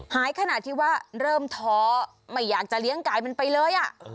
ขนาดที่ว่าเริ่มท้อไม่อยากจะเลี้ยงไก่มันไปเลย